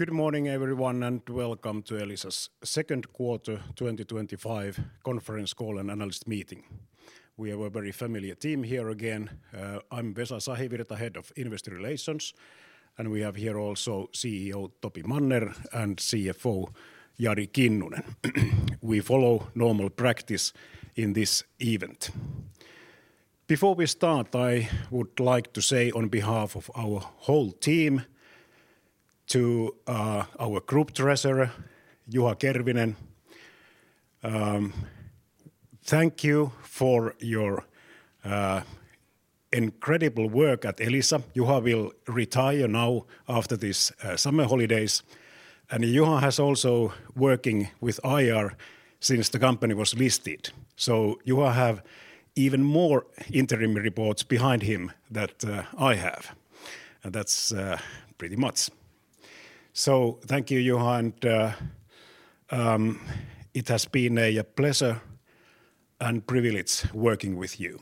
Good morning, everyone, and welcome to Elisa's Second Quarter twenty twenty five Conference Call and Analyst Meeting. We have a very familiar team here again. I'm Bessa Sahibirta, Head of Investor Relations. And we have here also CEO, Toppy Manner and CFO, Jari Kinune. We follow normal practice in this event. Before we start, I would like to say on behalf of our whole team to our Group Treasurer, Joha Kervinen. Thank you for your incredible work at Elisa. Joha will retire now after this summer holidays. And Juha has also working with IR since the company was listed. So Juha have even more interim reports behind him that I have. And that's pretty much. So thank you, Johan. It has been a pleasure and privilege working with you.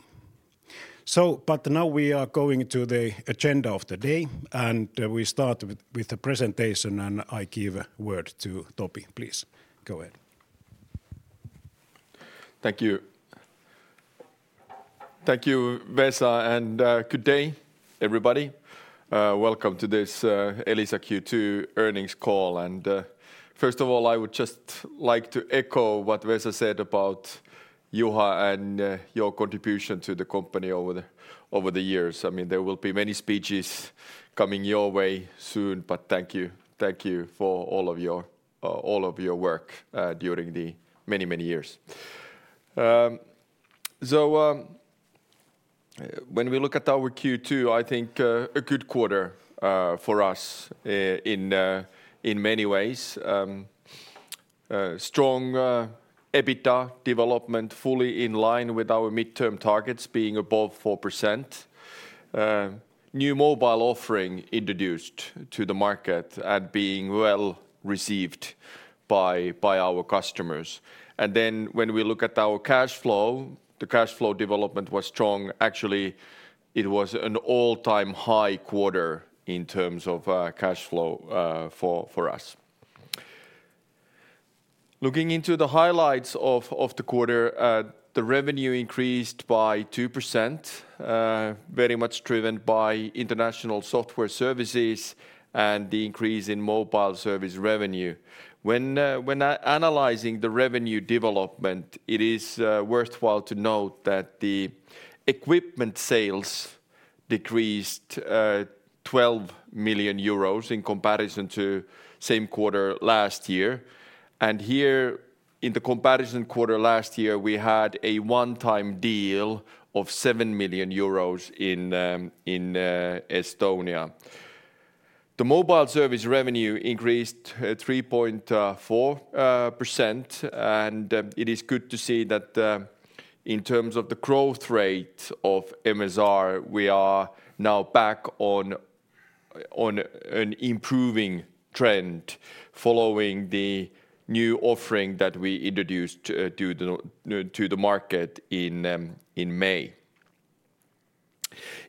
But now we are going to the agenda of the day and we start with the presentation and I give a word to Topi. Please go ahead. Thank you. Thank you, Wessa and good day everybody. Welcome to this Elisa Q2 earnings call. And first of all, I would just like to echo what Wessa said about Juha and your contribution to the company over the years. I mean there will be many speeches coming your way soon, but thank you. Thank you for all of your work during the many, many years. So when we look at our Q2, I think a good quarter for us in many ways. Strong EBITDA development fully in line with our midterm targets being above 4%. New mobile offering introduced to the market and being well received by our customers. And then when we look at our cash flow, the cash flow development was strong. Actually, it was an all time high quarter in terms of cash flow for us. Looking into the highlights of the quarter, the revenue increased by 2% very much driven by international software services and the increase in mobile service revenue. When analyzing the revenue development, it is worthwhile to note that the equipment sales decreased 12 million euros in comparison to same quarter last year. And here in the comparison quarter last year, we had a one time deal of 7 million euros in Estonia. The mobile service revenue increased 3.4% and it is good to see that in terms of the growth rate of MSR, we are now back on an improving trend following the new offering that we introduced to the market in May.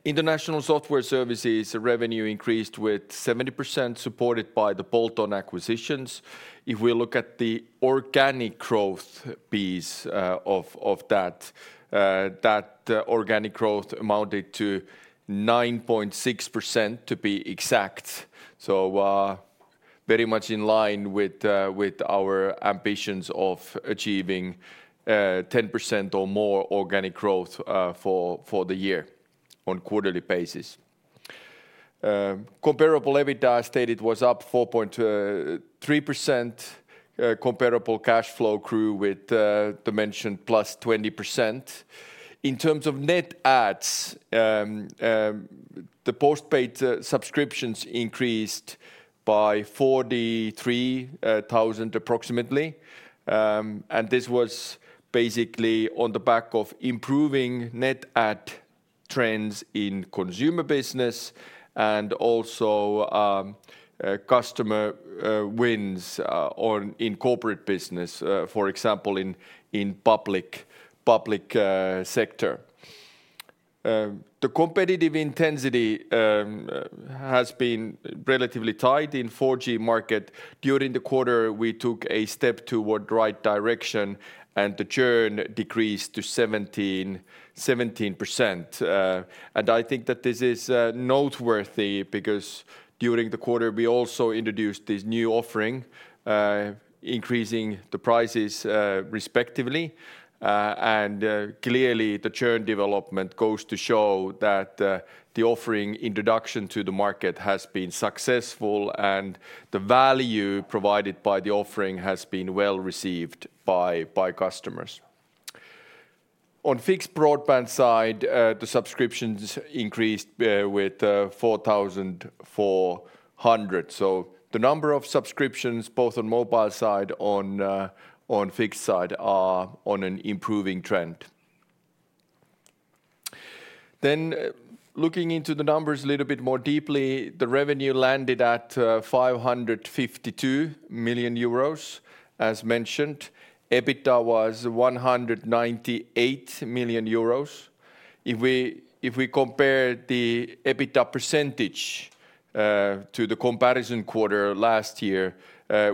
International Software Services revenue increased with 70% supported by the bolt on acquisitions. If we look at the organic growth piece of that, that organic growth amounted to 9.6% to be exact. So very much in line with our ambitions of achieving 10% or more organic growth for the year on quarterly basis. Comparable EBITDA stated was up 4.3% comparable cash flow grew with the mentioned plus 20%. In terms of net adds, the postpaid subscriptions increased by 43,000 approximately. And this was basically on the back of improving net add trends in consumer business and also customer wins in corporate business for example in public sector. The competitive intensity has been relatively tight in four gs market. During the quarter, we took a step toward right direction and the churn decreased to 17%. And I think that this is noteworthy because during the quarter we also introduced this new offering increasing the prices respectively. And clearly the churn development goes to show that the offering introduction to the market has been successful and the value provided by the offering has been well received by customers. On fixed broadband side, the subscriptions increased with 4,400. So the number of subscriptions both on mobile side on fixed side are on an improving trend. Then looking into the numbers a little bit more deeply, the revenue landed at €552,000,000 as mentioned. EBITDA was €198,000,000 If we compare the EBITDA percentage to the comparison quarter last year,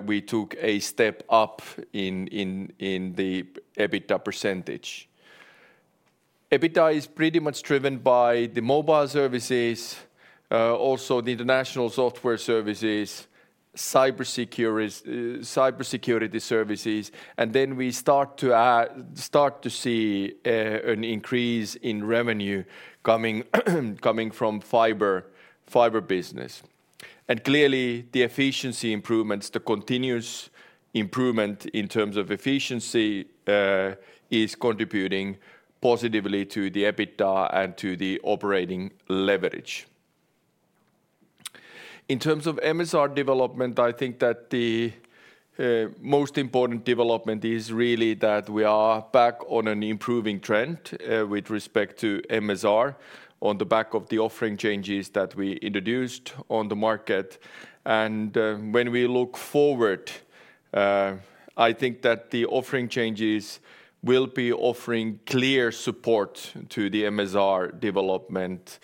we took a step up in the EBITDA percentage. EBITDA is pretty much driven by the mobile services, also the international software services, cyber security services and then we start to see an increase in revenue coming from fiber business. And clearly the efficiency improvements, the continuous improvement in terms of efficiency is contributing positively to the EBITDA and to the operating leverage. In terms of MSR development, I think that the most important development is really that we are back on an improving trend with respect to MSR on the back of the offering changes that we introduced on the market. And when we look forward, I think that the offering changes will be offering clear support to the MSR development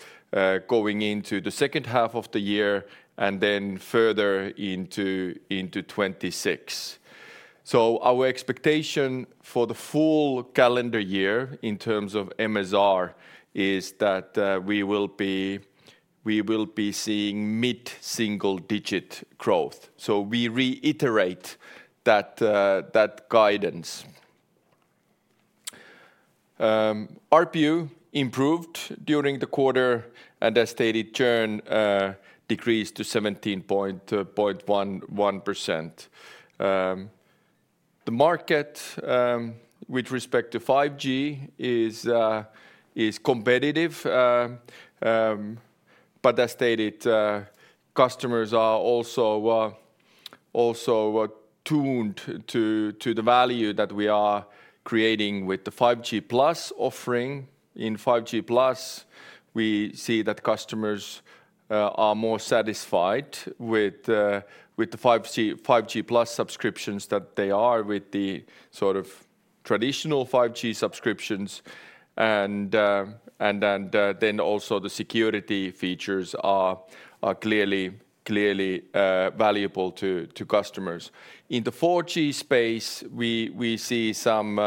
going into the second half of the year and then further into 2026. So our expectation for the full calendar year in terms of MSR is that we will be seeing mid single digit growth. So we reiterate that guidance. ARPU improved during the quarter and as stated churn decreased to 17.11%. The market with respect to five gs is competitive, But as stated customers are also tuned to the value that we are creating with the five gs plus offering. In five gs plus we see that customers are more satisfied with the five gs plus subscriptions that they are with the sort of traditional five gs subscriptions. And then also the security features are clearly valuable to customers. In the four gs space, we see some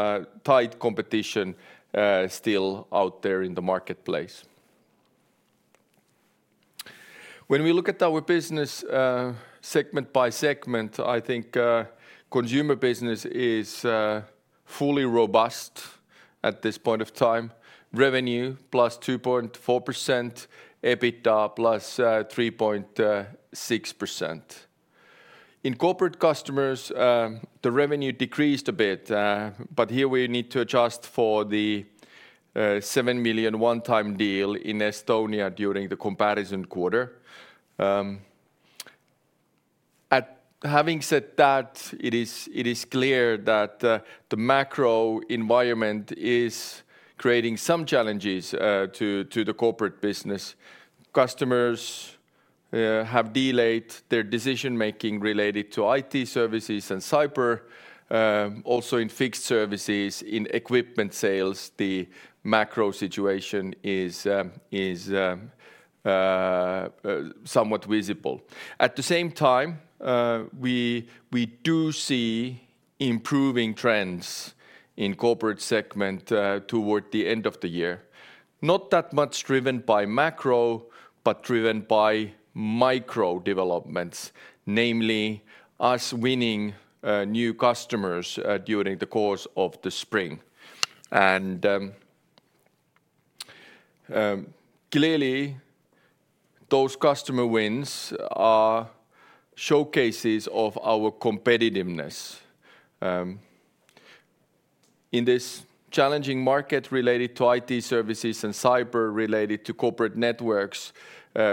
tight competition still out there in the marketplace. When we look at our business segment by segment, I think consumer business is fully robust at this point of time. Revenue plus 2.4%, EBITDA plus 3.6%. In corporate customers, the revenue decreased a bit, but here we need to adjust for the 7 million onetime deal in Estonia during the comparison quarter. Having said that, it is clear that the macro environment is creating some challenges to the corporate business. Customers have delayed their decision making related to IT services and cyber also in fixed services in equipment sales the macro situation is somewhat visible. At the same time, do see improving trends in corporate segment toward the end of the year, not that much driven by macro, but driven by micro developments, namely us winning new customers during the course of the spring. And clearly those customer wins are showcases of our competitiveness. In this challenging market related to IT services and cyber related to corporate networks,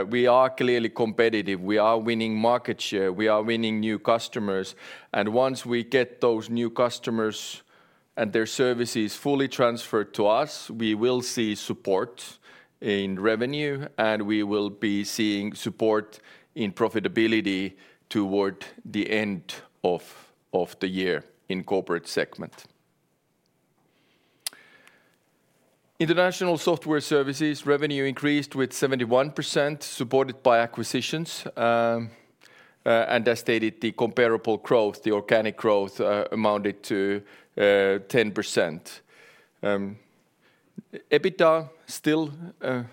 we are clearly competitive. We are winning market share. We are winning new customers. And once we get those new customers and their services fully transferred to us, we will see support in revenue and we will be seeing support in profitability toward the end of the year in Corporate segment. International Software Services revenue increased with 71% supported by acquisitions. And as stated the comparable growth, the organic growth amounted to 10%. EBITDA still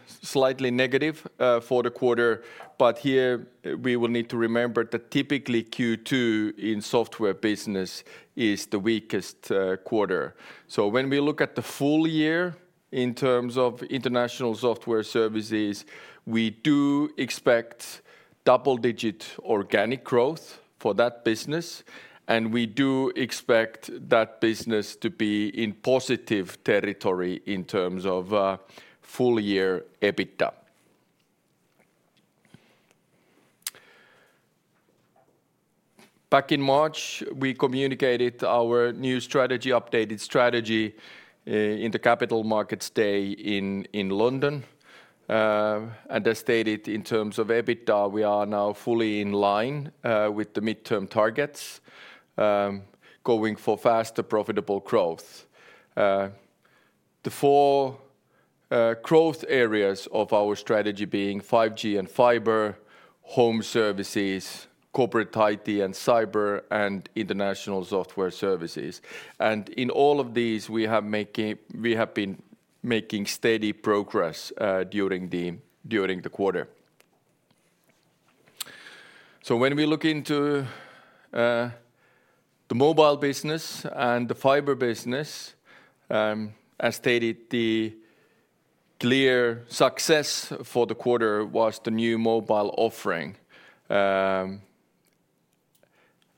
slightly negative for the quarter, but here we will need to remember that typically Q2 in software business is the weakest quarter. So when we look at the full year in terms of international software services, we do expect double digit organic growth for that business and we do expect that business to be in positive territory in terms of full year EBITDA. Back in March, we communicated our new strategy updated strategy in the Capital Markets Day in London. And as stated in terms of EBITDA, we are now fully in line with the midterm targets going for faster profitable growth. The four growth areas of our strategy being five gs and fiber, home services, corporate IT and cyber and international software services. And in all of these, we have been making steady progress during the quarter. So when we look into the mobile business and the fiber business, as stated the clear success for the quarter was the new mobile offering.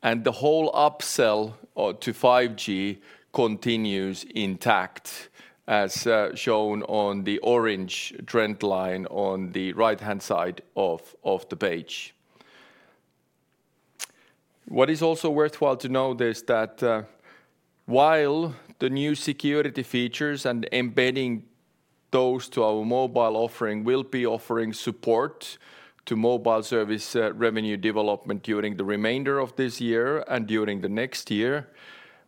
And the whole upsell to five gs continues intact as shown on the orange trend line on the right hand side of the page. What is also worthwhile to know this that while the new security features and embedding those to our mobile offering will be offering support to mobile service revenue development during the remainder of this year and during the next year.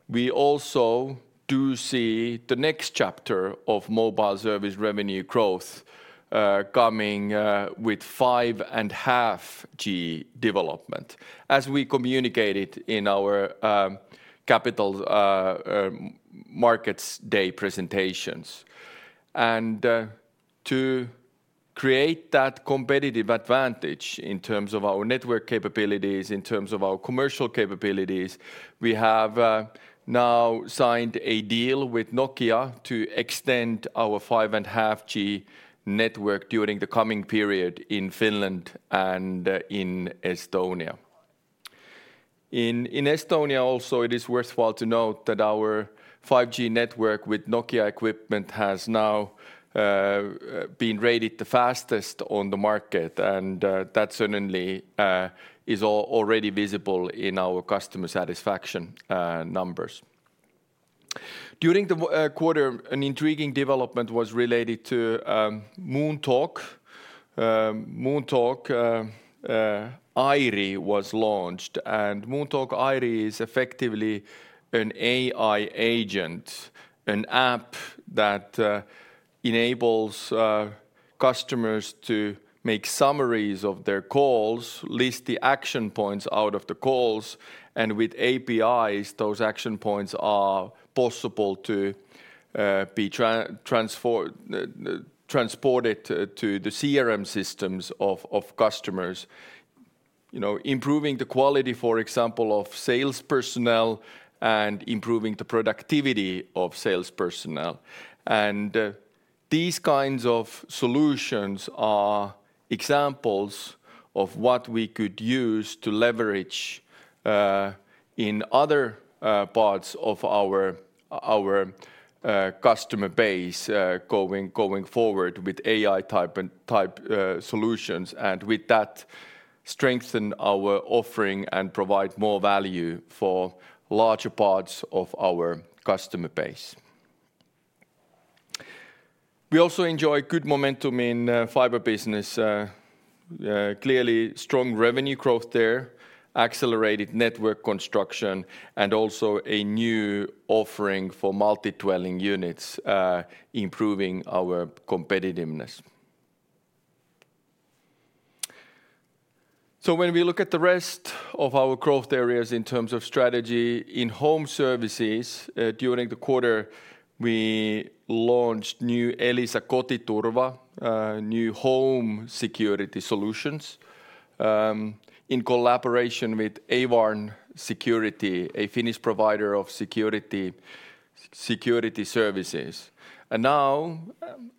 We also do see the next chapter of mobile service revenue growth coming with 5.5 gs development as we communicated in our Capital Markets Day presentations. And to create that competitive advantage in terms of our network capabilities, in terms of our commercial capabilities, we have now signed a deal with Nokia to extend our 5.5 network during the coming period in Finland and in Estonia. In Estonia also it is worthwhile to note that our five gs network with Nokia equipment has now been rated the fastest on the market and that certainly is already visible in our customer satisfaction numbers. During the quarter, an intriguing development was related to Moontalk. Moontalk Airy was launched and Moontalk Airy is effectively an AI agent, an app that enables customers to make summaries of their calls, list the action points out of the calls and with APIs those action points are possible to be transported to the CRM systems of customers, improving the quality for example of sales personnel and improving the productivity of sales personnel. And these kinds of solutions are examples of what we could use to leverage in other parts of our customer base going forward with AI type solutions and with that strengthen our offering and provide more value for larger parts of our customer base. We also enjoy good momentum in fiber business. Clearly strong revenue growth there, accelerated network construction and also a new offering for multi dwelling units improving our competitiveness. So when we look at the rest of our growth areas in terms of strategy in Home Services during the quarter, we launched new Elisa Koti Torva, new home security solutions in collaboration with Eivarn Security, a Finnish provider of security services. And now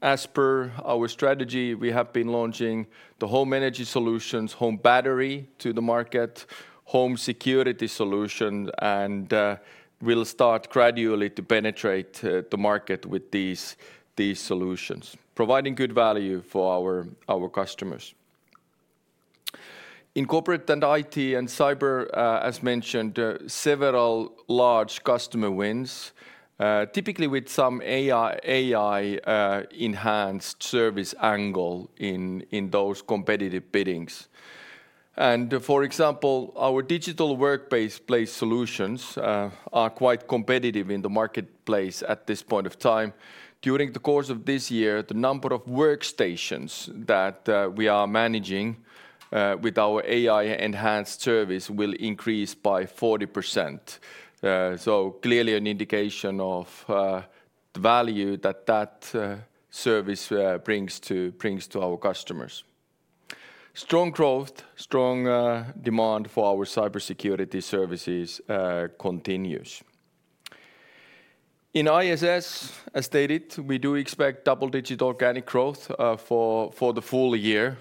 as per our strategy, we have been launching the home energy solutions, home battery to the market, home security solution and we'll start gradually to penetrate the market with these solutions providing good value for our customers. In corporate and IT and cyber as mentioned several large customer wins typically with some AI enhanced service angle in those competitive biddings. And for example, our digital workplace solutions are quite competitive in the marketplace at this point of time. During the course of this year, the number of workstations that we are managing with our AI enhanced service will increase by 40%. So clearly an indication of the value that that service brings to our customers. Strong growth, strong demand for our cybersecurity services continues. In ISS, as stated, we do expect double digit organic growth for the full year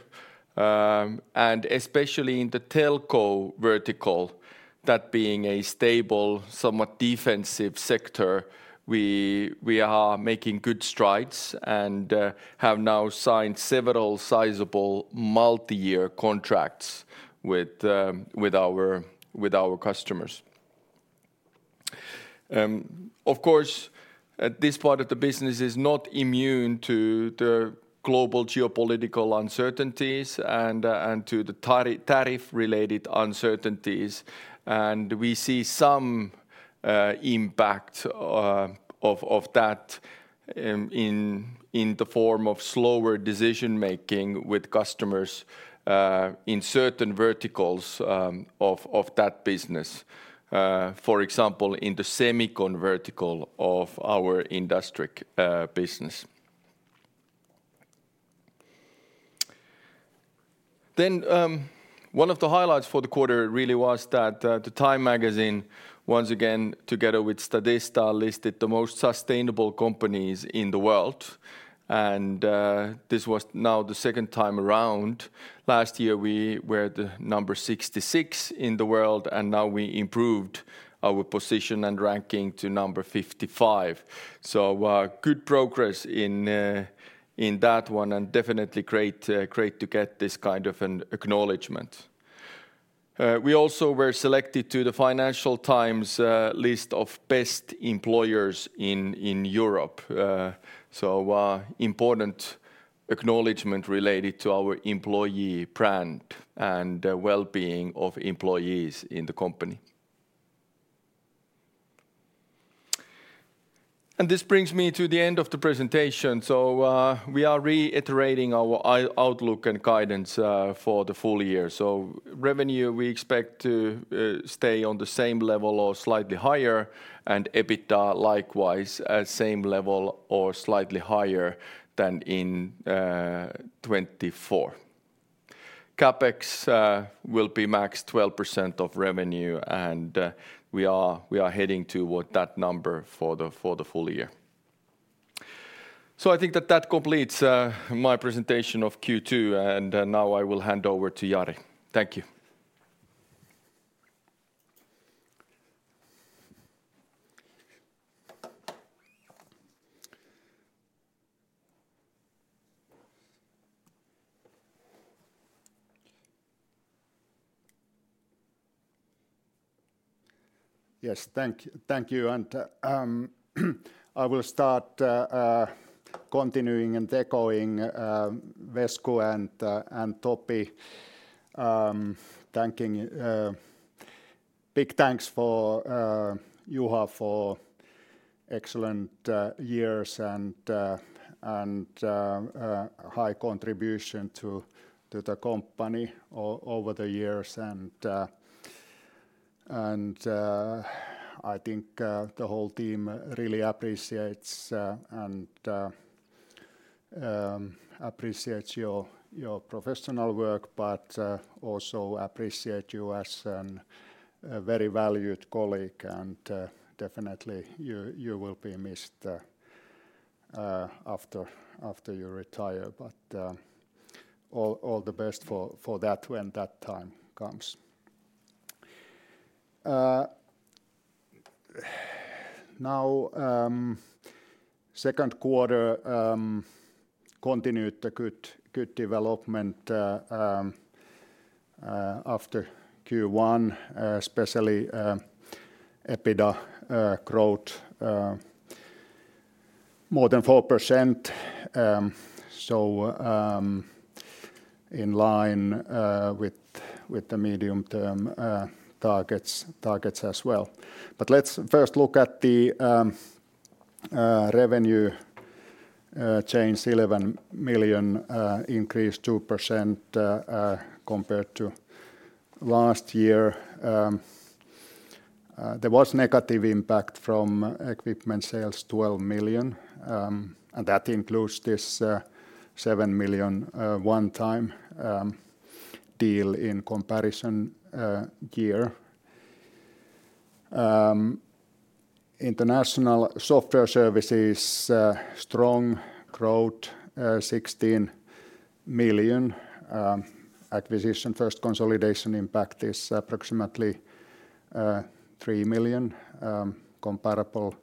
and especially in the telco vertical that being a stable somewhat defensive sector, we are making good strides and have now signed several sizable multiyear contracts with our customers. Of course, this part of the business is not immune to the global geopolitical uncertainties and to the tariff related uncertainties. And we see some impact of that in the form of slower decision making with customers in certain verticals of that business. For example, in the semicon vertical of our industrial business. Then one of the highlights for the quarter really was that the Time Magazine once again together with Stadista listed the most sustainable companies in the world. And this was now the second time around. Last year we were the number 66 in the world and now we improved our position and ranking to number 55. So good progress in that one and definitely great to get this kind of an acknowledgment. We also were selected to the Financial Times list of best employers in Europe. So important acknowledgment related to our employee brand and well-being of employees in the company. And this brings me to the end of the presentation. So we are reiterating our outlook and guidance for the full year. So revenue we expect to stay on the same level or slightly higher and EBITDA likewise same level or slightly higher than in 2024. CapEx will be max 12% of revenue and we are heading toward that number of Q2. And now I will hand over to Jari. Thank you. Yes, thank you. And I will start continuing and echoing Vesco and Toppi thanking big thanks for Juha for excellent years and high contribution to the company over the years. And I think the whole team really appreciates appreciates your professional work, but also appreciate you as a very valued colleague. And definitely you will be missed after you retire, but all the best for that when that time comes. Now second quarter continued a good development after Q1, especially EBITDA growth more than 4%. So in line with the medium term targets as well. But let's first look at the revenue change €11,000,000 increased 2% compared to last year. There was negative impact from equipment sales €12,000,000 and that includes this €7,000,000 one time deal in comparison year. International software services strong growth €16,000,000 acquisition first consolidation impact is approximately €3,000,000 comparable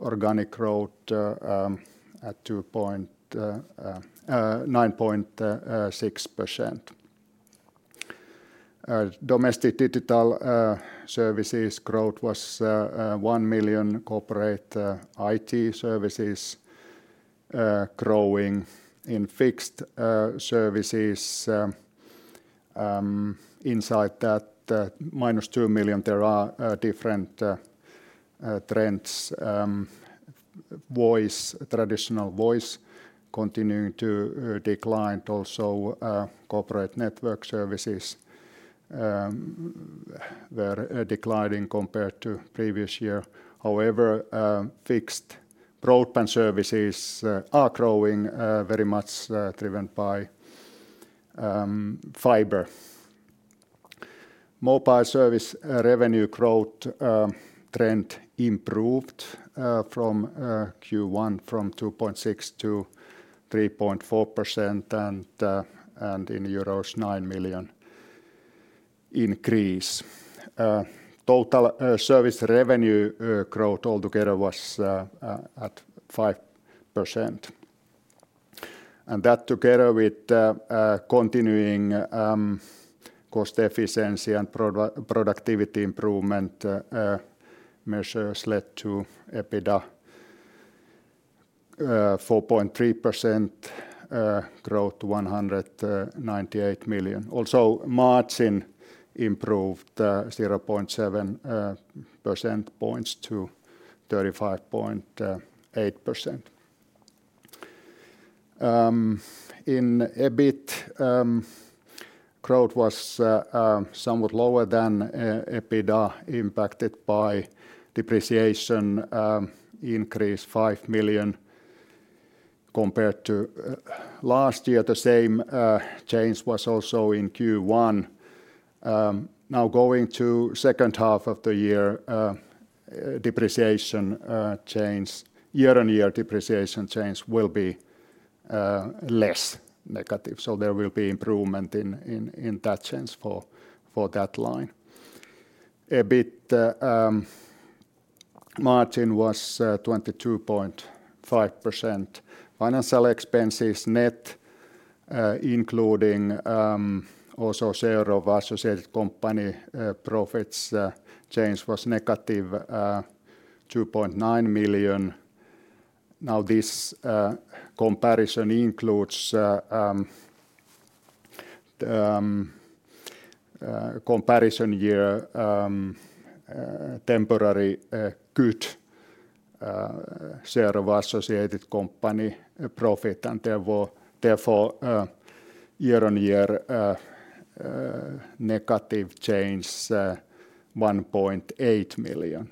organic growth at 9.6%. Domestic digital services growth was 1,000,000 corporate IT services growing in fixed services inside that minus €2,000,000 there are different trends voice traditional voice continuing to decline also corporate network services were declining compared to previous year. However, fixed broadband services are growing very much driven by fiber. Mobile service revenue growth trend improved from Q1 from 2.6% to 3.4% and in euros €9,000,000 increase. Total service revenue growth altogether was at 5%. And that together with continuing cost efficiency and productivity improvement measures led to EBITDA 4.3% growth €198,000,000 Also margin improved 0.7% points to 35.8%. In EBIT, growth was somewhat lower than EBITDA impacted by depreciation increased 5,000,000 compared to last year. The same change was also in Q1. Now going to second half of the year depreciation change year on year depreciation change will be less negative. So there will be improvement in that change for that line. EBIT margin was 22.5%. Financial expenses net including also share of our associated company profits change was negative €2,900,000 Now this comparison includes comparison year temporary good share of associated company profit and therefore year on year negative change 1,800,000.0, euros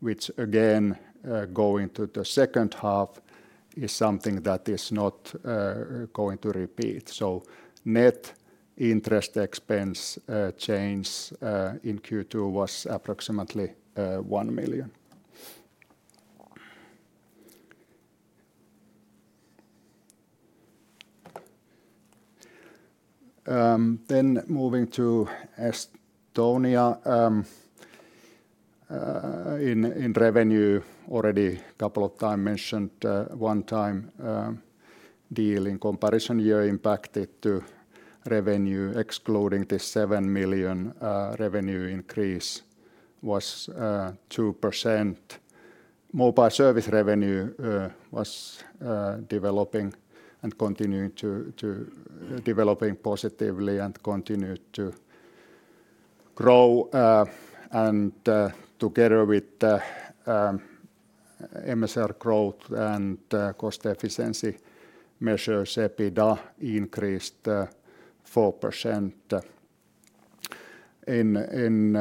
which again going to the second half is something that is not going to repeat. So net interest expense change in Q2 was approximately €1,000,000 Then moving to Astonia. In revenue already couple of time mentioned one time deal in comparison year impacted to revenue excluding the 7,000,000 revenue increase was 2%. Mobile service revenue was developing and continuing to developing positively and continued to grow and together with MSR growth and cost efficiency measures EBITDA increased 4%. In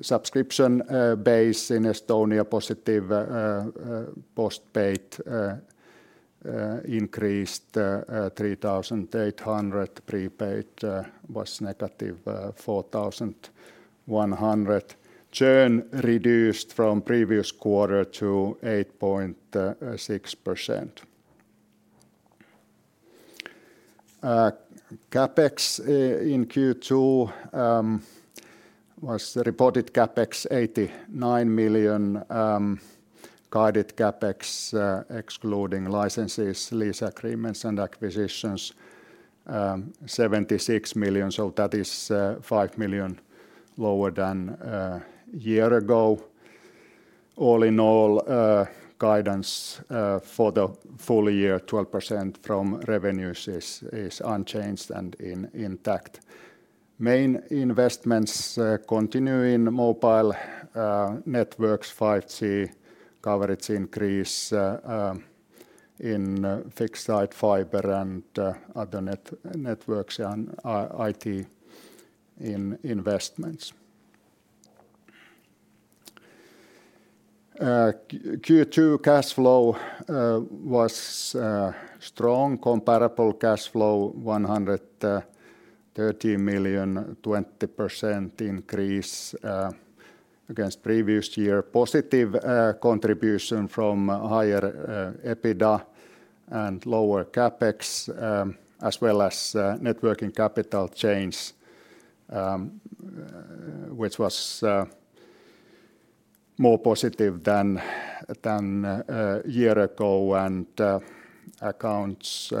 subscription base in Estonia positive postpaid increased 3,800 prepaid was negative €4,100 Churn reduced from previous quarter to 8.6%. CapEx in Q2 was the reported CapEx €89,000,000 guided CapEx excluding licenses lease agreements and acquisitions €76,000,000 so that is €5,000,000 lower than a year ago. All in all guidance for the full year 12% from revenues is unchanged and intact. Main investments continue in mobile networks five gs coverage increase in fixed side fiber and other networks and IT investments. Q2 cash flow was strong comparable cash flow 130,000,000 20% increase against previous year positive contribution from higher EBITDA and lower CapEx as well as net working capital change, which was more positive than a year ago and accounts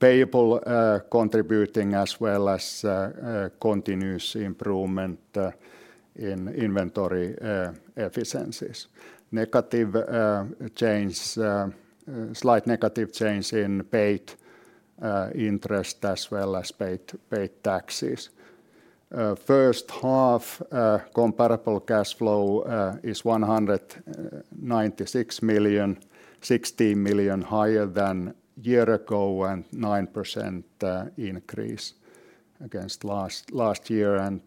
payable contributing as well as continuous improvement in inventory efficiencies. Negative change slight negative change in paid interest as well as paid taxes. First half comparable cash flow is €196,000,000 €16,000,000 higher than year ago and 9% increase against last year and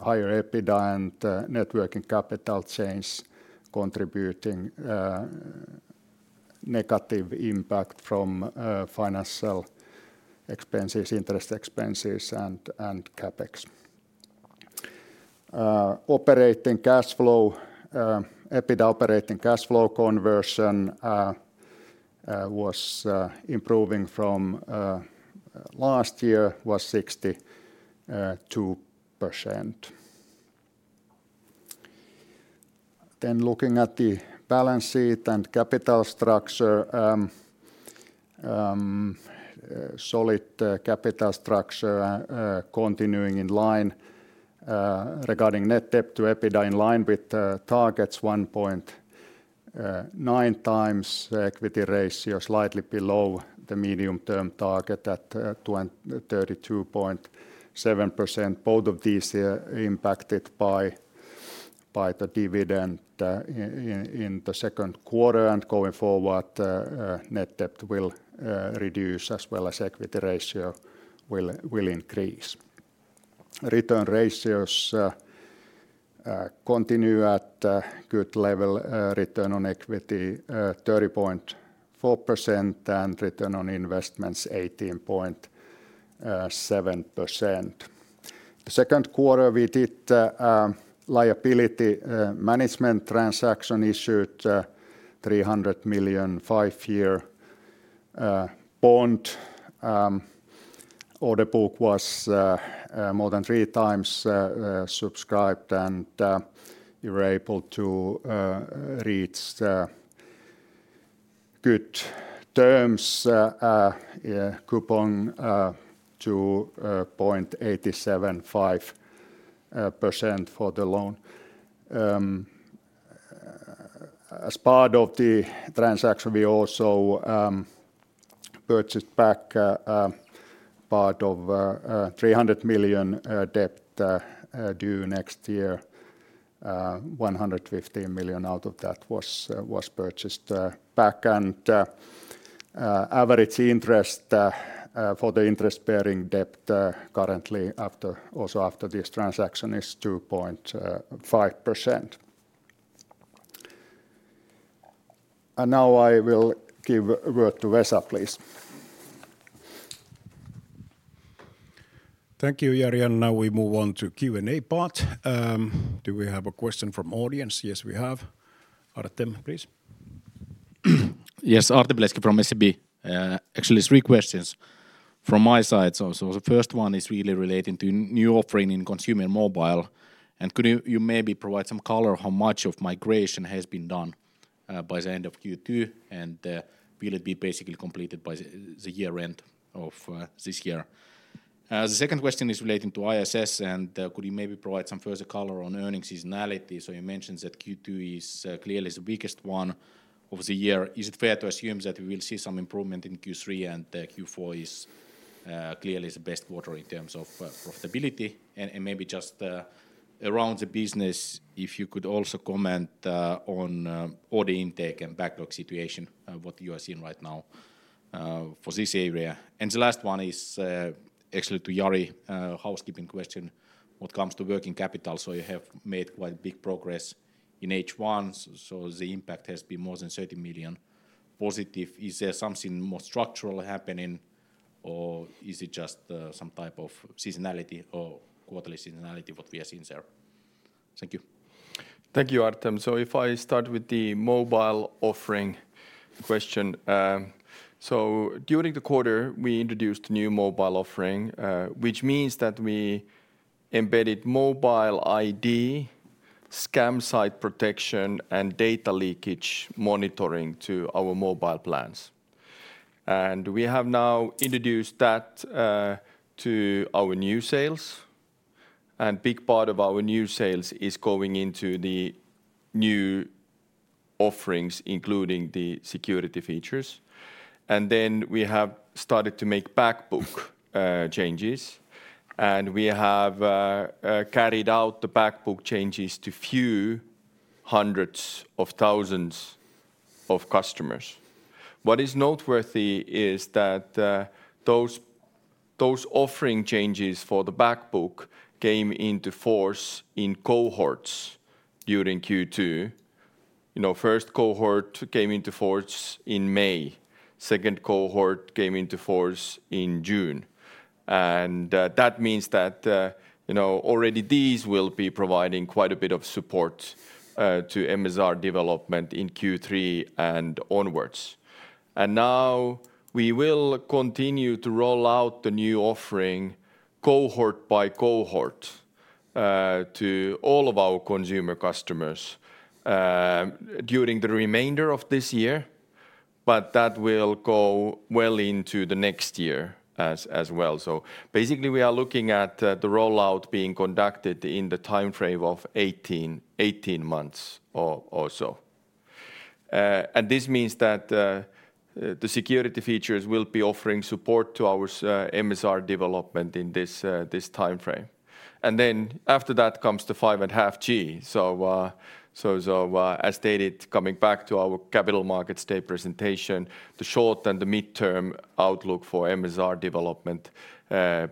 higher EBITDA and net working capital change contributing negative impact from financial expenses, interest expenses and CapEx. Operating cash flow, EBITDA operating cash flow conversion was improving from last year was 62%. Then looking at the balance sheet and capital structure, solid capital structure continuing in line. Regarding net debt to EBITDA in line with targets 1.9 times equity ratio slightly below the medium term target at 32.7% both of these impacted by the dividend in the second quarter and going forward net debt will reduce as well as equity ratio will increase. Return ratios continue at good level, return on equity 30.4 and return on investments 18.7%. The second quarter we did liability management transaction issued €300,000,000 five year bond. Order book was more than three times subscribed and you're able to reach good terms coupon to 0.875% for the loan. As part of the transaction, also purchased back part of €300,000,000 debt due next year, 115,000,000 out of that was purchased back. And average interest for the interest bearing debt currently after also after this transaction is 2.5%. And now I will give a word to Wessa please. Thank you, Jarian. Now we move on to Q and A part. Do we have a question from audience? Yes, we have. Artem, please. Yes. Artem Pleski from SEB. Actually three questions from my side. So the first one is really relating to new offering in consumer and mobile. And could you maybe provide some color how much of migration has been done by the end of Q2? And will it be basically completed by the year end of this year? The second question is relating to ISS. And could you maybe provide some further color on earnings seasonality? So you mentioned that Q2 is clearly the weakest one of the year. Is it fair to assume that we will see some improvement in Q3 and Q4 is clearly the best quarter in terms of profitability? And maybe just around the business, if you could also comment on order intake and backlog situation, what you are seeing right now for this area? And the last one is actually to Jari, housekeeping question, When it comes to working capital, so you have made quite big progress in H1, so the impact has been more than €30,000,000 positive. Is there something more structural happening? Or is it just some type of seasonality or quarterly seasonality what we have seen there? Thank you. Thank you, Artem. So if I start with the mobile offering question. So during the quarter, we introduced new mobile offering, which means that we embedded mobile ID, scam site protection and data leakage monitoring to our mobile plans. And we have now introduced that to our new sales and big part of our new sales is going into the new offerings including the security features. And then we have started to make back book changes and we have carried out the back book changes to few hundreds of thousands of customers. What is noteworthy is that those offering changes for the back book came into force in cohorts during Q2. First cohort came into force in May, second cohort came into force in June. And that means that already these will be providing quite a bit of support to MSR development in Q3 and onwards. And now we will continue to roll out the new offering cohort by cohort to all of our consumer customers during the remainder of this year, but that will go well into the next year as well. So basically we are looking at the rollout being conducted in the timeframe of eighteen months or so. And this means that the security features will be offering support to our MSR development in this timeframe. And then after that comes to 5.5 gs. So as stated coming back to our Capital Markets Day presentation, the short and the mid term outlook for MSR development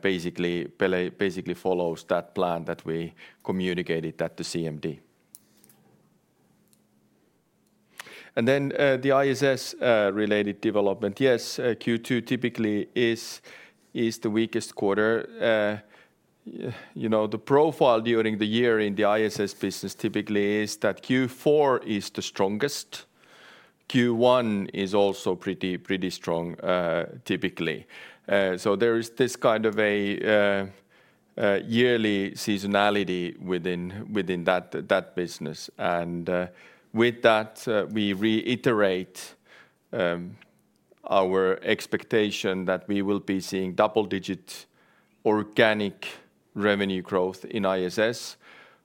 basically Pele basically follows that plan that we communicated at the CMD. And then the ISS related development. Yes, Q2 typically is the weakest quarter. The profile during the year typically is that Q4 is the strongest. Q1 is also pretty strong typically. So there is this kind of a yearly seasonality within that business. And with that we reiterate our expectation that we will be seeing double digit organic revenue growth in ISS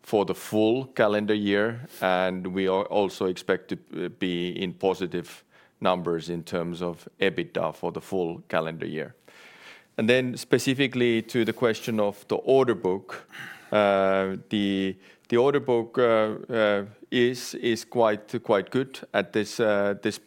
for the full calendar year and we also expect to be in positive numbers in terms of EBITDA for the full calendar year. And then specifically to the question of the order book, The order book is quite good at this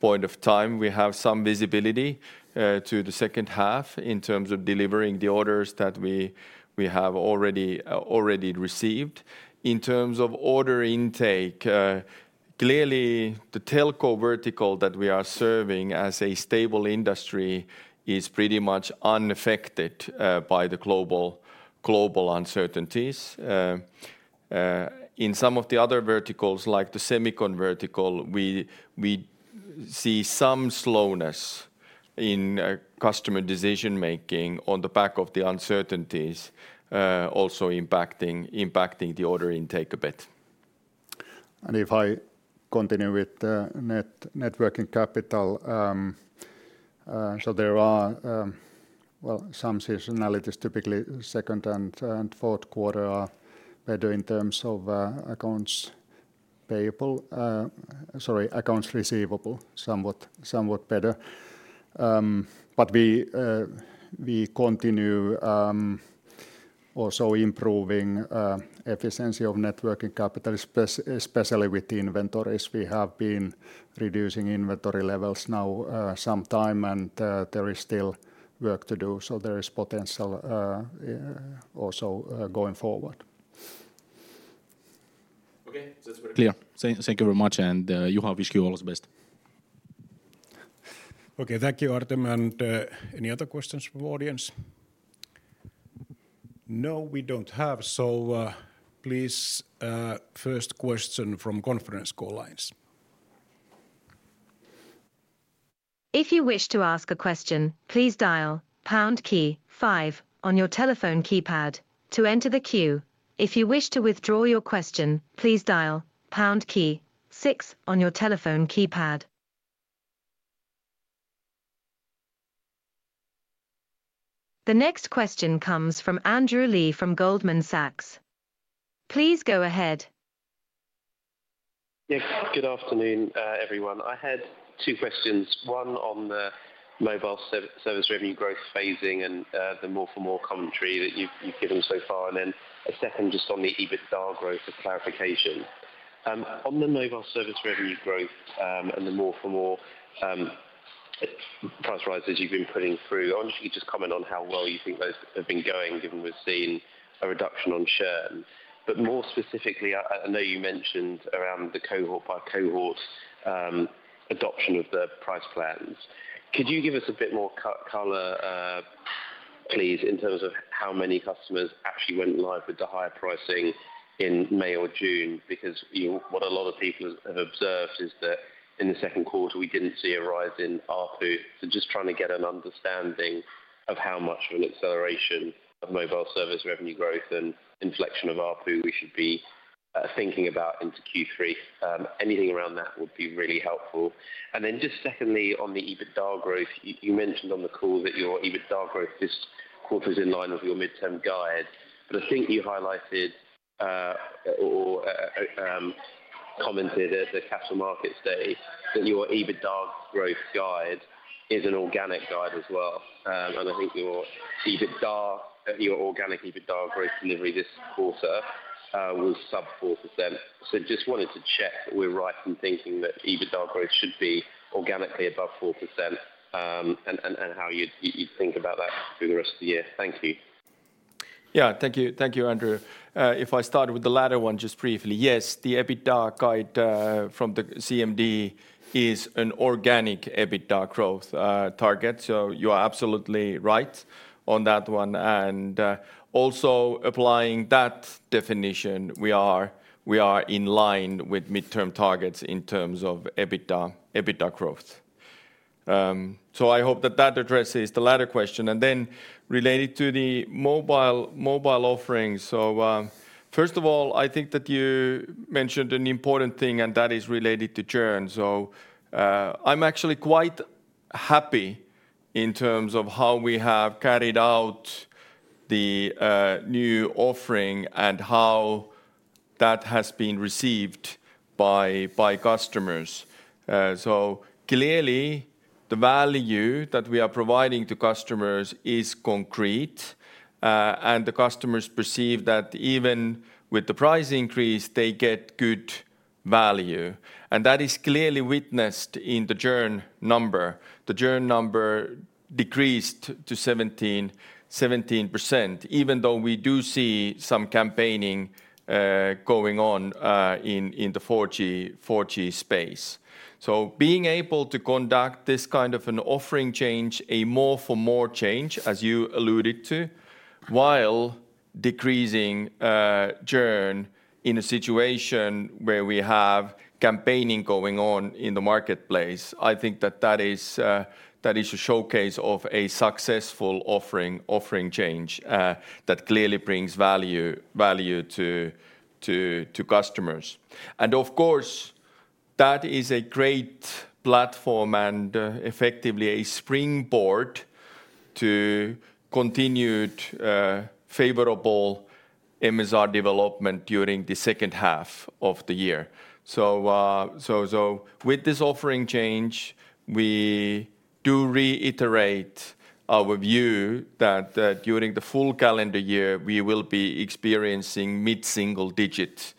point of time. We have some visibility to the second half in terms of delivering the orders that we have already received. In terms of order intake, clearly the telco vertical that we are serving as a stable industry is pretty much unaffected by the global uncertainties. In some of the other verticals like the Semicon vertical, see some slowness in customer decision making on the back of the uncertainties also impacting the order intake a bit. And if I continue with net working capital. So there are well some seasonalities typically second and fourth quarter are better in terms of accounts payable sorry accounts receivable somewhat better. But we continue also improving efficiency of net working capital especially with the inventories. We have been reducing inventory levels now some time and there is still work to do. So there is potential also going forward. That's very clear. Thank you very much and you wish you all the best. Okay. Thank you, Artem. And any other questions from audience? No, we don't have. So please first question from conference call lines. The next question comes from Andrew Lee from Goldman Sachs. Please go ahead. Yes. Good afternoon, everyone. I had two questions. One on the mobile service revenue growth phasing and the More for More commentary that you've given so far. And then a second just on the EBITDA growth for clarification. On the mobile service revenue growth and the more for more price rises you've been putting through, wonder if you could just comment on how well you think those have been going given we've seen a reduction on churn. But more specifically, I know you mentioned around the cohort by cohort adoption of the price plans. Could you give us a bit more color please in terms of how many customers actually went live with the higher pricing in May or June? Because what a lot of people have observed is that in the second quarter, didn't see a rise in ARPU. So just trying to get an understanding of how much of an acceleration of mobile service revenue growth and inflection of ARPU we should be thinking about into Q3? Anything around that would be really helpful. And then just secondly, on the EBITDA growth. You mentioned on the call that your EBITDA growth this quarter is in line with your midterm guide. But I think you highlighted commented at the Capital Markets Day that your EBITDA growth guide is an organic guide as well. And I think your EBITDA your organic EBITDA growth delivery this quarter was sub-four percent. So just wanted to check if we're right in thinking that EBITDA growth should be organically above 4% and how you think about that through the rest of the year? Thank you. Yes. Thank you, Andrew. If I start with the latter one just briefly. Yes, the EBITDA guide from the CMD is an organic EBITDA growth target. So you are absolutely right on that one. And also applying that definition, we are in line with midterm targets in terms of EBITDA growth. So I hope that that addresses the latter question. And then related to the mobile offerings. So first of all, I think that you mentioned an important thing and that is related to churn. So I'm actually quite happy in terms of how we have carried out the new offering and how that has been received by customers. So clearly the value that we are providing to customers is concrete and the customers perceive that even with the price increase they get good value. And that is clearly witnessed in the churn number. The churn number decreased to 17% even though we do see some campaigning going on in the four gs space. So being able to conduct this kind of an offering change a more for more change as you alluded to while decreasing churn in a situation where we have campaigning going on in the marketplace. I think that that is a showcase of a successful offering change that clearly brings value to customers. And of course that is a great platform and effectively a springboard to continued favorable MSR development during the second half of the year. So with this offering change, we do reiterate our view that during the full calendar year, we will be experiencing mid single digit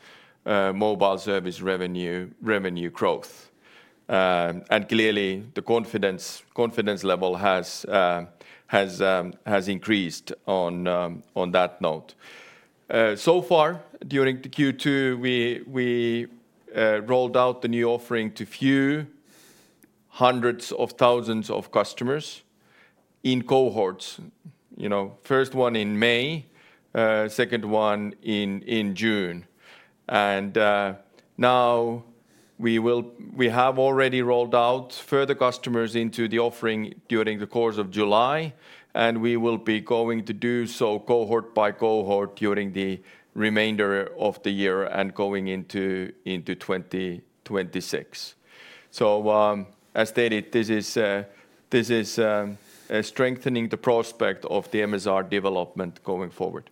mobile service revenue growth. And clearly the confidence level has increased on that note. So far during the Q2, rolled out the new offering to few hundreds of thousands of customers in cohorts. First one in May, second one in June. And now we will we have already rolled out further customers into the offering during the course of July and we will be going to do so cohort by cohort during the remainder of the year and going into 2026. So as stated, this is strengthening the prospect of the MSR development going forward.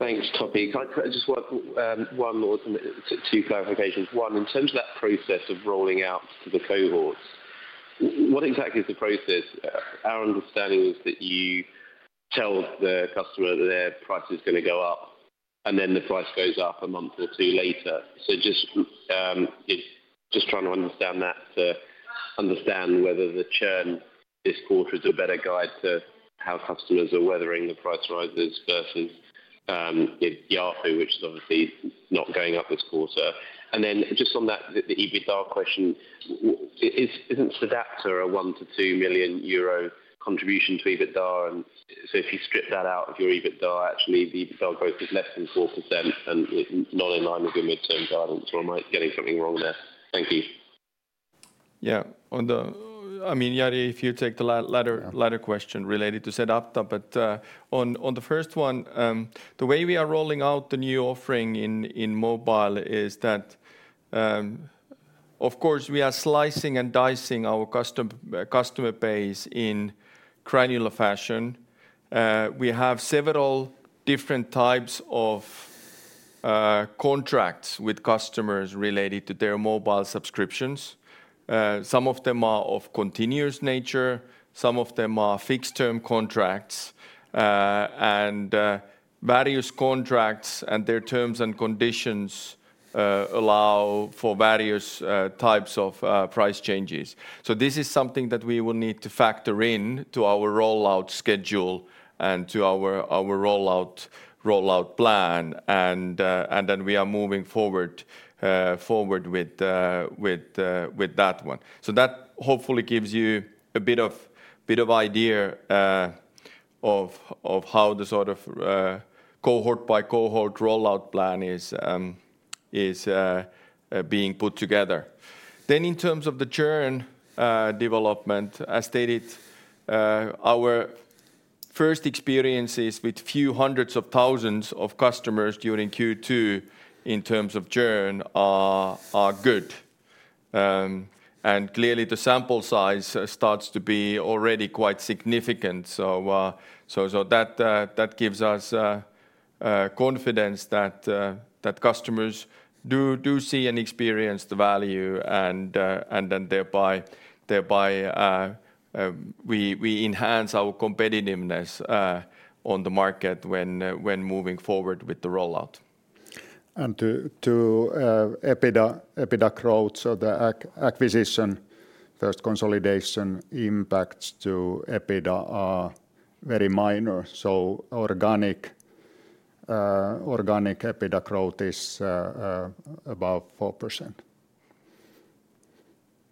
Thanks, Toppy. I just want one more, two clarifications. One, in terms of that process of rolling out the cohorts, what exactly is the process? Our understanding is that you tell the customer that their price is going to go up and then the price goes up a month or two later. So just trying to understand that to understand whether the churn this quarter is a better guide to how customers are weathering the price rises versus Yahoo, which is obviously not going up this quarter? And then just on that the EBITDA question, isn't Sadatta a 1,000,000 to €2,000,000 contribution to EBITDA? And so if you strip that out of your EBITDA, actually, the EBITDA growth is less than 4% and not in line with your midterm guidance. So am I getting something wrong there? Yes. On the I mean, Jari, if you take the latter question related to Sedapta. But on the first one, the way we are rolling out the new offering in mobile is that, of course, we are slicing and dicing our customer base in granular fashion. We have several different types of contracts with customers related to their mobile subscriptions. Some of them are of continuous nature, Some of them are fixed term contracts and various contracts and their terms and conditions allow for various types of price changes. So this is something that we will need to factor in to our rollout schedule and to our rollout plan. And then we are moving forward with that one. So that hopefully gives you a bit of idea of how the sort of cohort by cohort rollout plan is being put together. Then in terms of the churn development, as stated our first experiences with few hundreds of thousands of customers during Q2 in terms of churn are good. And clearly the sample size starts to be already quite significant. So that gives us confidence that customers do see and experience the value and then thereby we enhance our competitiveness on the market when moving forward with the rollout. And to EBITDA growth, so the acquisition first consolidation impacts to EBITDA are very minor. So organic EBITDA growth is above 4%.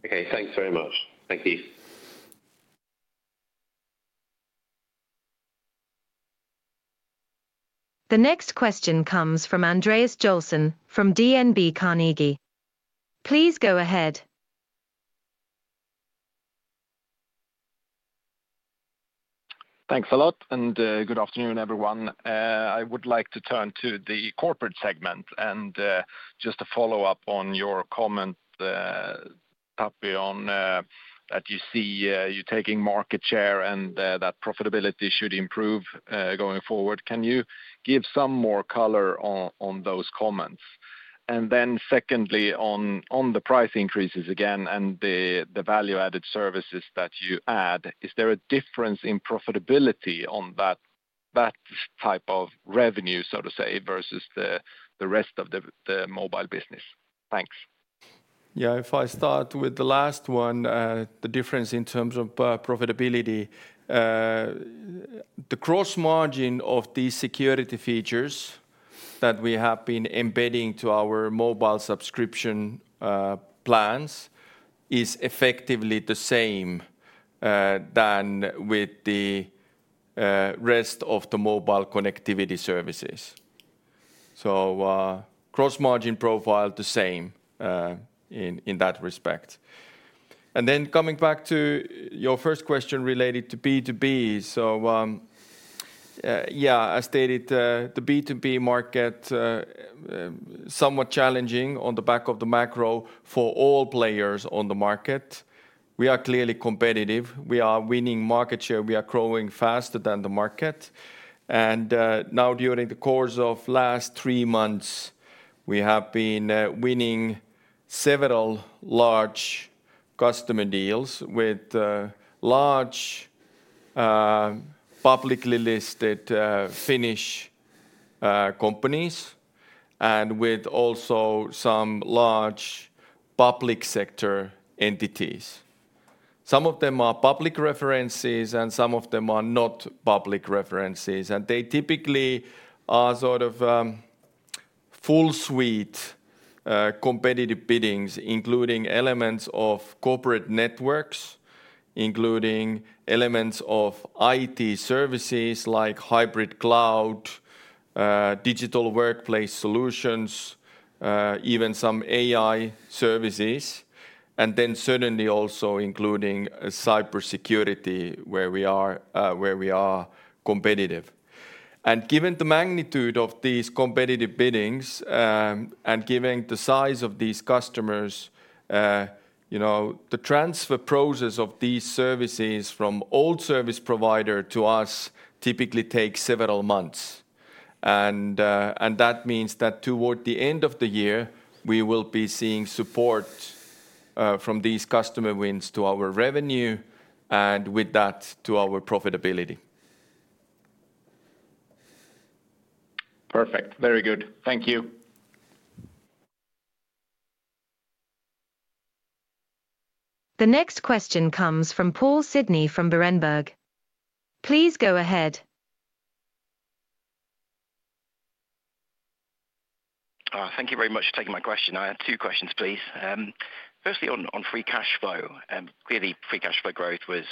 Okay. Thanks very much. Thank you. The next question comes from Andreas Jollson from DNB Carnegie. Please go ahead. Thanks a lot, and good afternoon, everyone. I would like to turn to the Corporate segment. And just a follow-up on your comment, Tapio, on that you see you're taking market share and that profitability should improve going forward. Can you give some more color on those comments? And then secondly, on the price increases again and the value added services that you add, is there a difference in profitability on that type of revenue, so to say, versus the rest of the mobile business? Thanks. Yeah. If I start with the last one, the difference in terms of profitability. The gross margin of the security features that we have been embedding to our mobile subscription plans is effectively the same than with the rest of the mobile connectivity services. So gross margin profile the same in that respect. And then coming back to your first question related to B2B. So, yes, I stated the B2B market somewhat challenging on the back of the macro for all players on the market. We are clearly competitive. We are winning market share. We are growing faster than the market. And now during the course of last three months, we have been winning several large customer deals with large publicly listed Finnish companies and with also some large public sector entities. Some of them are public references and some of them are not public references and they typically are sort of full suite competitive biddings including elements of corporate networks, including elements of IT services like hybrid cloud, digital workplace solutions, even some AI services and then certainly also including cybersecurity where we are competitive. And given the magnitude of these competitive biddings and given the size of these customers, the transfer process of these services from old service provider to us typically take several months. And that means that toward the end of the year, we will be seeing support from these customer wins to our revenue and with that to our profitability. Perfect. Very good. Thank you. The next question comes from Paul Sidney from Berenberg. Please go ahead. Thank you very much for taking my question. I have two questions, please. Firstly, on free cash flow. Clearly, free cash flow growth was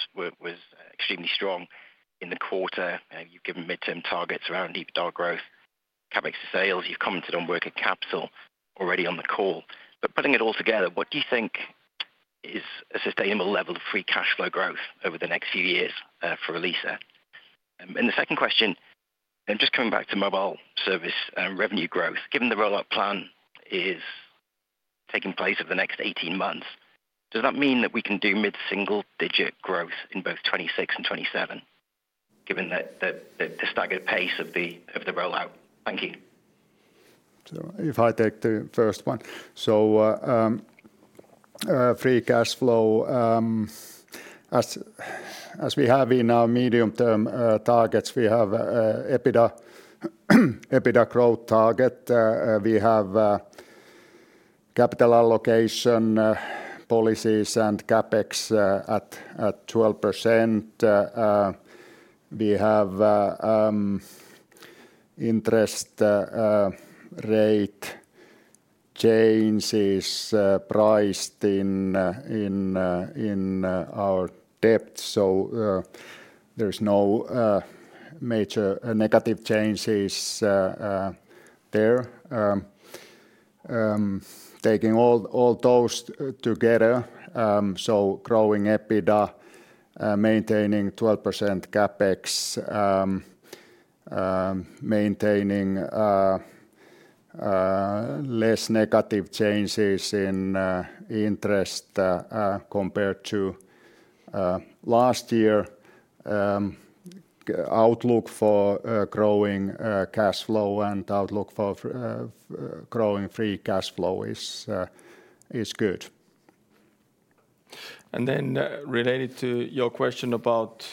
extremely strong in the quarter. You've given midterm targets around EBITDA growth, CapEx sales. You've commented on working capital already on the call. But putting it all together, what do you think is a sustainable level of free cash flow growth over the next few years for Alisa? And the second question, and just coming back to mobile service revenue growth, given the rollout plan is taking place over the next eighteen months, does that mean that we can do mid single digit growth in both 2026 and 2027 given the staggered pace of the rollout? Thank you. So if I take the first one. So free cash flow as we have in our medium term targets we have EBITDA growth target. We have capital allocation policies and CapEx at 12%. We have interest rate changes priced in our debt. So there's no major negative changes there. Taking all those together, so growing EBITDA maintaining 12% CapEx, maintaining less negative changes in interest compared to last year. Outlook for growing cash flow and outlook for growing free cash flow is good. And then related to your question about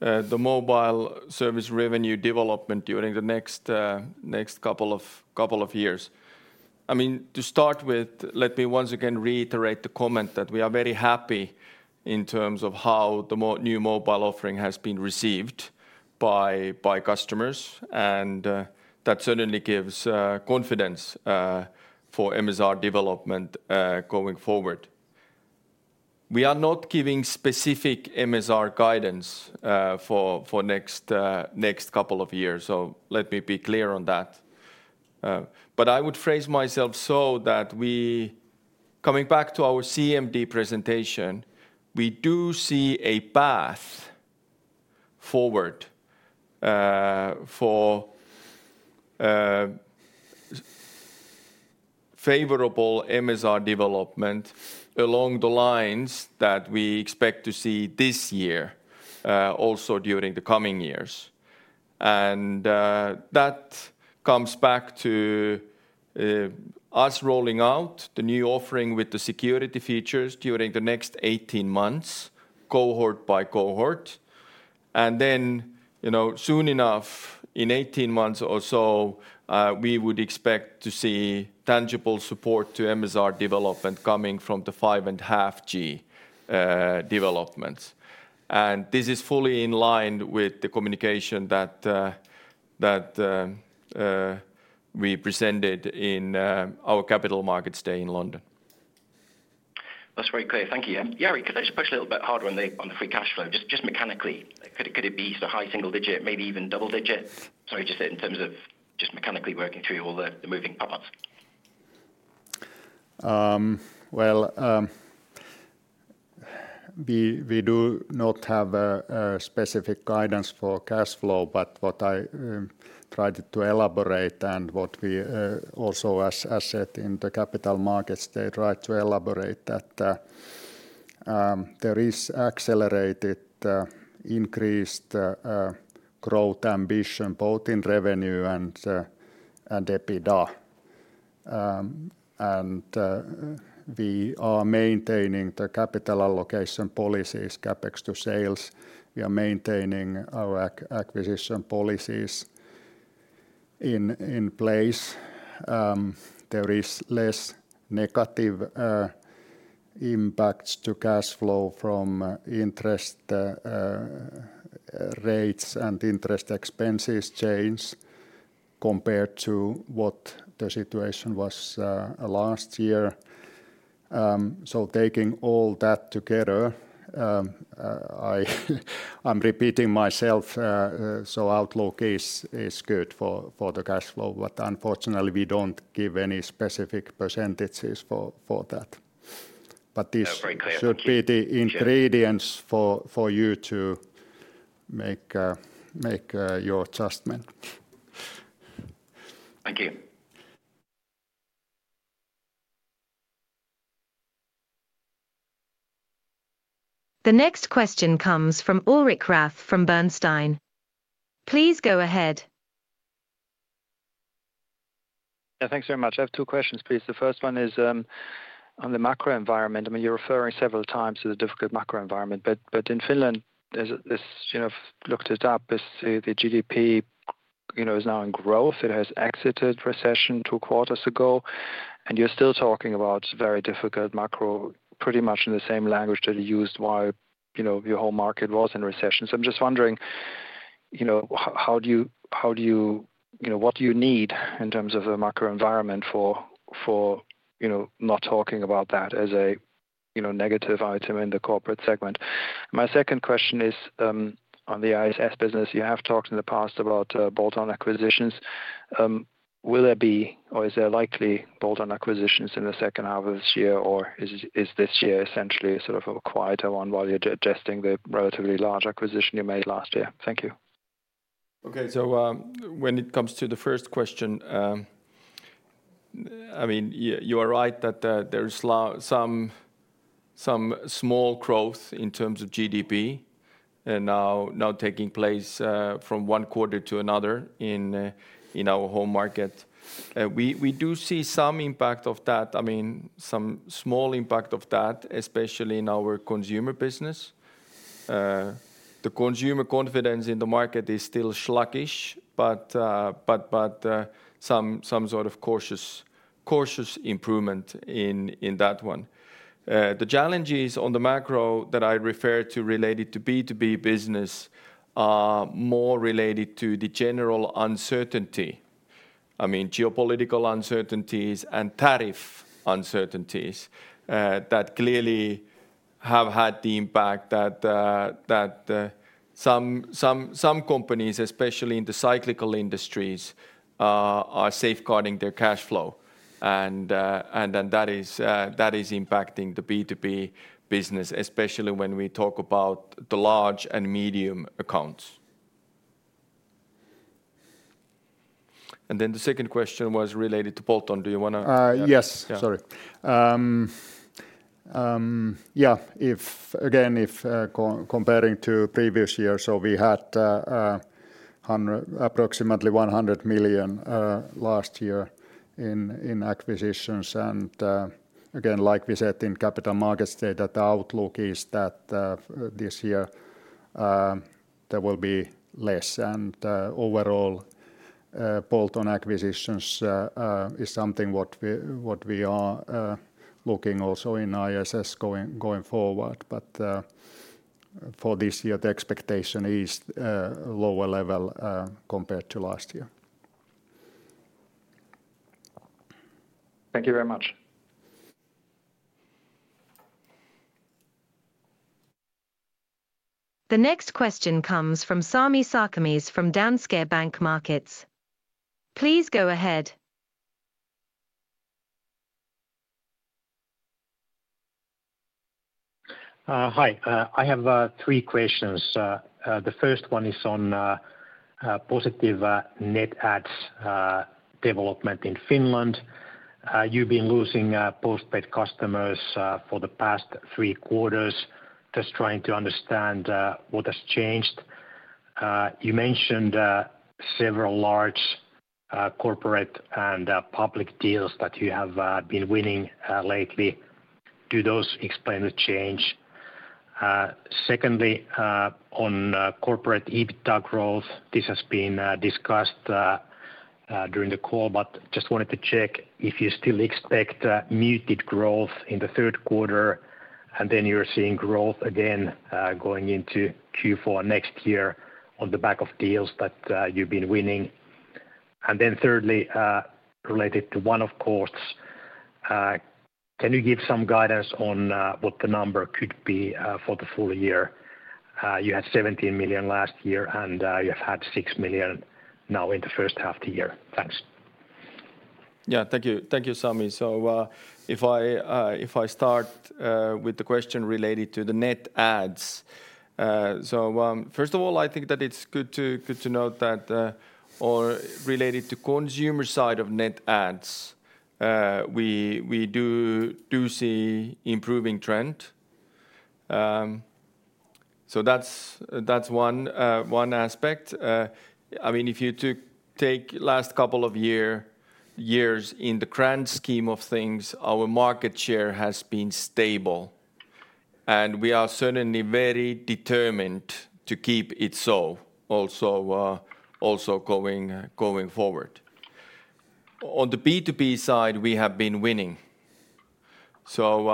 the mobile service revenue development during the next couple of years. I mean to start with, let me once again reiterate the comment that we are very happy in terms of how the new mobile offering has been received by customers and that certainly gives confidence for MSR development going forward. We are not giving specific MSR guidance for next couple of years. So let me be clear on that. But I would phrase myself so that we coming back to our CMD presentation, we do see a path forward for favorable MSR development along the lines that we expect to see this year also during the coming years. And that comes back to us rolling out the new offering with the security features during the next eighteen months cohort by cohort. And then soon enough in eighteen months or so, we would expect to see tangible support to MSR development coming from the 5.5 gs developments. And this is fully in line with the communication that we presented in our Capital Markets Day in London. That's very clear. Thank you. Yari, could I just push a little bit harder on the free cash flow? Just mechanically, could it be the high single digit, maybe even double digit? Sorry, just in terms of just mechanically working through all the moving pop ups. Well, we do not have a specific guidance for cash flow. But what I tried to elaborate and what we also as said in the Capital Markets Day tried to elaborate that there is accelerated increased growth ambition both in revenue and EBITDA. And we are maintaining the capital allocation policies CapEx to sales. We are maintaining our acquisition policies in place. There is less negative impacts to cash flow from interest rates and interest expenses change compared to what the situation was last year. So taking all that together, I'm repeating myself. So outlook is good for the cash flow. But unfortunately, we don't give any specific percentages for that. But this should be the ingredients for you to make your adjustment. Thank you. The next question comes from Ulrik Rath from Bernstein. Please go ahead. Thanks very much. I have two questions, please. The first one is on the macro environment. I mean, you're referring several times to the difficult macro environment. But in Finland, as you have looked it up, let's say, the GDP is now in growth. It has exited recession two quarters ago. And you're still talking about very difficult macro pretty much in the same language that you used while your whole market was in recession. So I'm just wondering how do you what do you need in terms of the macro environment for not talking about that as a negative item in the corporate segment? My second question is on the ISS business. You have talked in the past about bolt on acquisitions. Will there be or is there likely bolt on acquisitions in the second half of this year? Or is this year essentially sort of a quieter one while you're adjusting the relatively large acquisition you made last year? Thank you. Okay. So when it comes to the first question, I mean, you are right that there is some small growth in terms of GDP and now taking place from one quarter to another in our home market. We do see some impact of that, I mean some small impact of that especially in our consumer business. The consumer confidence in the market is still sluggish, but some sort of cautious improvement in that one. The challenges on the macro that I referred to related to B2B business are more related to the general uncertainty. I mean geopolitical uncertainties and tariff uncertainties that clearly have had the impact that some companies especially in the cyclical industries are safeguarding their cash flow and then that is impacting the B2B business especially when we talk about the large and medium accounts. And then the second question was related to bolt on. Do you want to Yes, sorry. Yes, if again if comparing to previous year, so we had approximately €100,000,000 last year in acquisitions. And again like we said in Capital Markets Day that the outlook is that this year there will be less. And overall bolt on acquisitions is something what we are looking also in ISS going forward. But for this year, the expectation is lower level compared to last year. Thank you very much. The next question comes from Sami Sarkamis from Danske Bank Markets. Please go ahead. Hi. I have three questions. The first one is on positive net adds development in Finland. You've been losing postpaid customers for the past three quarters. Just trying to understand what has changed. You mentioned several large corporate and public deals that you have been winning lately. Do those explain the change? Secondly, on corporate EBITDA growth, this has been discussed during the call, but just wanted to check if you still expect muted growth in the third quarter and then you're seeing growth again going into Q4 next year on the back of deals that you've been winning? And then thirdly, related to one off costs, Can you give some guidance on what the number could be for the full year? You had 17,000,000 last year, and you have had 6,000,000 now in the first half of the year. Yes. Thank you, Sami. So if I start with the question related to the net adds. So first of all, I think that it's good to note that or related to consumer side of net adds, we do see improving trend. So that's one aspect. I mean, you take last couple of years in the grand scheme of things, our market share has been stable. And we are certainly very determined to keep it so also going forward. On the B2B side, we have been winning. So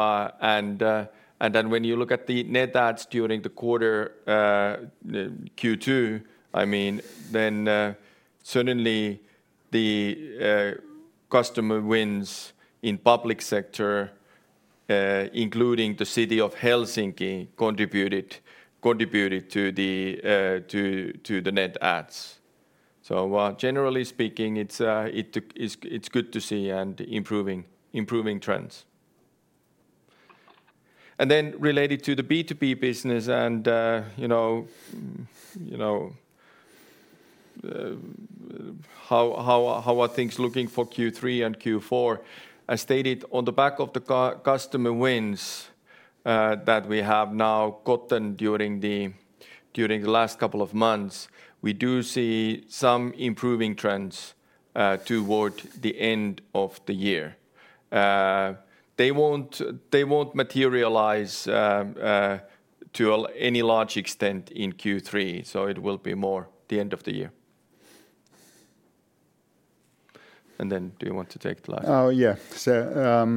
and then when you look at the net adds during the quarter Q2, I mean then suddenly the customer wins in public sector including the city of Helsinki contributed to the net adds. So generally speaking, it's good to see improving trends. And then related to the B2B business and how are things looking for Q3 and Q4. As stated on the back of the customer wins that we have now gotten during the last couple of months, we do see some improving trends toward the end of the year. They won't materialize to any large extent in Q3. So it will be more the end of the year. And then do you want to take the last one? Yes. So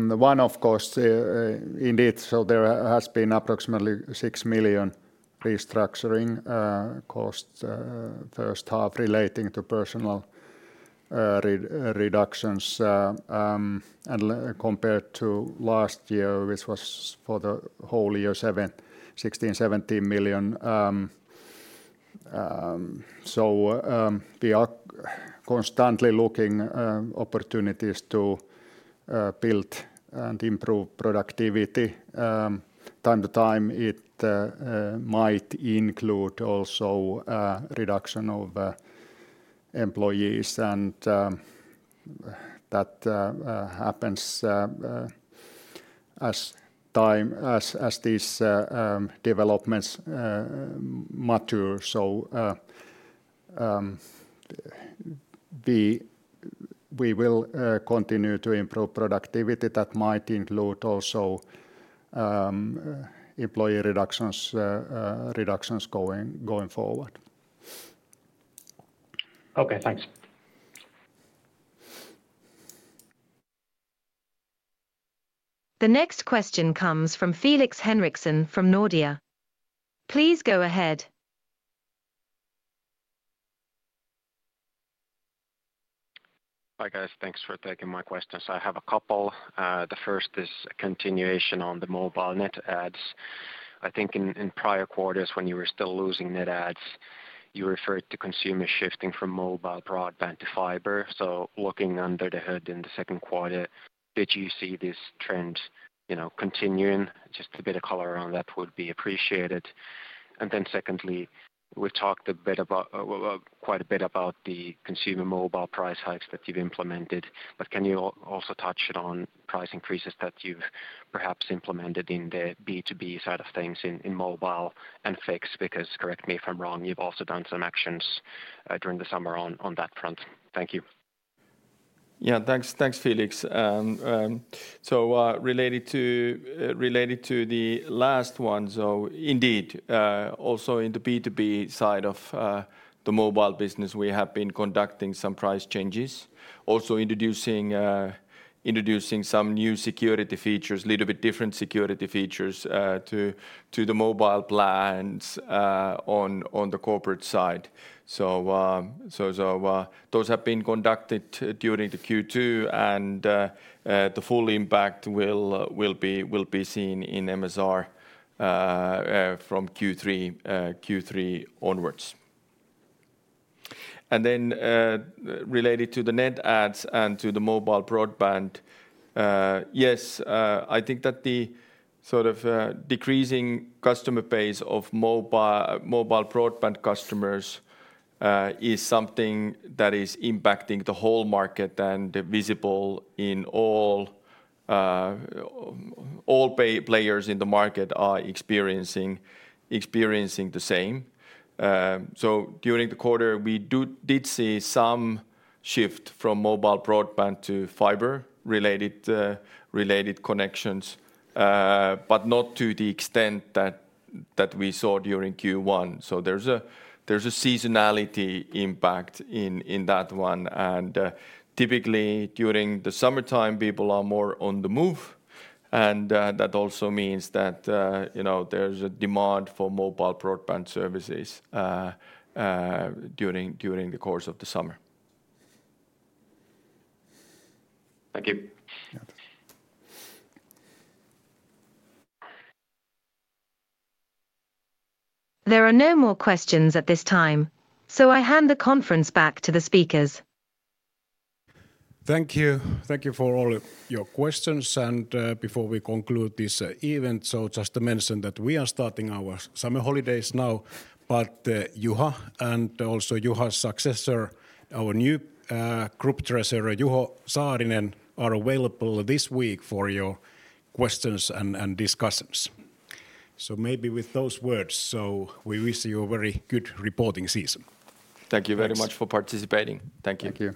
the one off cost indeed so there has been approximately €6,000,000 restructuring costs first half relating to personnel reductions compared to last year which was for the whole year €16,000,000 17,000,000 So we are constantly looking opportunities to build and improve productivity. Time to time it might include also reduction of employees and that happens as time as these developments mature. So we will continue to improve productivity that might include also employee reductions going forward. Okay. Thanks. The next question comes from Felix Henriksen from Nordea. Please go ahead. Hi guys. Thanks for taking my questions. I have a couple. The first is a continuation on the mobile net adds. I think in prior quarters when you were still losing net adds, you referred to consumers shifting from mobile broadband to fiber. So looking under the hood in the second quarter, did you see this trend continuing? Just a bit of color around that would be appreciated. And then secondly, we've talked a bit about quite a bit about the consumer mobile price hikes that you've implemented. But can you also touch it on price increases that you've perhaps implemented in the B2B side of things in mobile and fixed? Because correct me if I'm wrong, you've also done some actions during the summer on that front. Thank you. Yes. Thanks, Felix. So related to the last one, so indeed also in the B2B side of the mobile business we have been conducting some price changes, also introducing some new security features, little bit different security features to the mobile plans on the corporate side. So those have been conducted during the Q2 and the full impact will be seen in MSR from Q3 onwards. And then related to the net adds and to the mobile broadband, Yes, I think that the sort of decreasing customer base of mobile broadband customers is something that is impacting the whole market and visible in all players in the market are experiencing the same. So during the quarter, we did see some shift from mobile broadband to fiber related connections, but not to the extent that we saw during Q1. So there's a seasonality impact in that one. And typically during the summertime people are more on the move And that also means that there's a demand for mobile broadband services during the course of the summer. Thank you. There are no more questions at this time. So I hand the conference back to the speakers. Thank you. Thank you for all your questions. And before we conclude this event, so just to mention that we are starting our summer holidays now. But Juha and also Juha's successor, our new Group Treasurer, Juha Saarinen are available this week for your questions and discussions. So maybe with those words, so we wish you a very good reporting season. Thank you very much for participating. Thank you. Thank you.